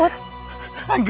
aku akan menunggu